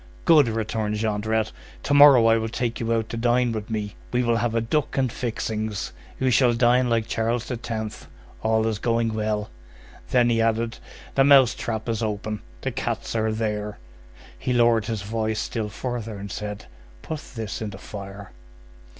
"Good," returned Jondrette. "To morrow I will take you out to dine with me. We will have a duck and fixings. You shall dine like Charles the Tenth; all is going well!" Then he added:— "The mouse trap is open. The cats are there." He lowered his voice still further, and said:— "Put this in the fire."